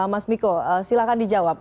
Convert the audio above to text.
mas miko silahkan dijawab